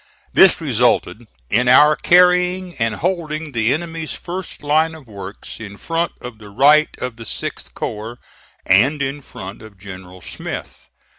This resulted in our carrying and holding the enemy's first line of works in front of the right of the 6th corps, and in front of General Smith.